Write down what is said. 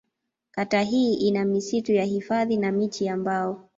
Kata hii ina misitu ya hifadhi na miti ya mbao.